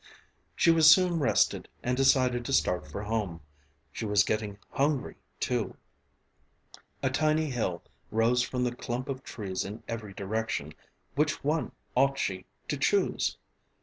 She was soon rested and decided to start for home. She was getting hungry, too. A tiny hill rose from the clump of trees in every direction, which one ought she to choose?